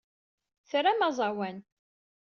Tram aẓawan.